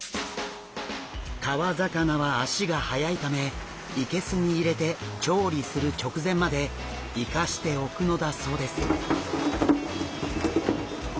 川魚は足が早いため生けすに入れて調理する直前まで生かしておくのだそうです。